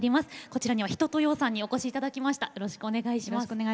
こちらには一青窈さんにお越しいただきました。